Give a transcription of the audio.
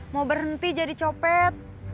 mau berhenti jadi copet